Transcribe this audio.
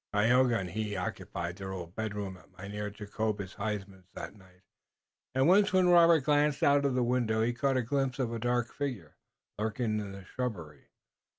Tayoga and he occupied their old bedroom at Mynheer Jacobus Huysman's that night, and once when Robert glanced out of the window he caught a glimpse of a dark figure lurking in the shrubbery.